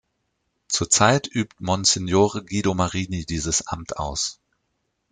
Zurzeit übt Monsignore Guido Marini dieses Amt aus.